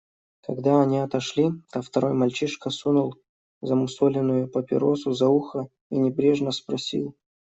Когда они отошли, то второй мальчишка сунул замусоленную папиросу за ухо и небрежно спросил.